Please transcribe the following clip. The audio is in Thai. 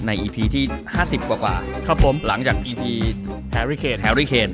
อีพีที่ห้าสิบกว่าครับผมหลังจากอีพีแฮรี่เคนแฮรี่เคน